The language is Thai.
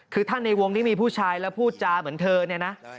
คือท่านในวงที่มีผู้ชายแล้วพูดจาเหมือนเธอเนี่ยนะ